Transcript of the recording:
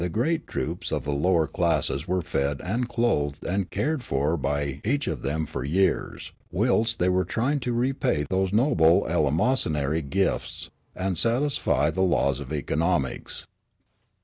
Great troops of the lower classes were fed and clothed and cared for by each of them for years, whilst they were trying to repay those noble eleemosynary gifts, and satisfying the laws of economics.